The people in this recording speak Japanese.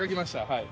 はい。